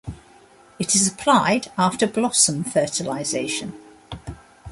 It is applied after blossom fertilization.